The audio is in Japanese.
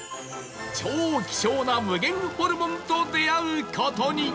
超希少な無限ホルモンと出会う事に